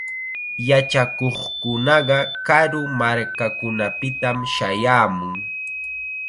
Yachakuqkunaqa karu markakunapitam shayaamun.